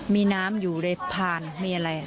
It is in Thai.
มีน้ำอยู่ในพานมีอะไร